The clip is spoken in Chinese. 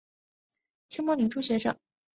清末民初学者。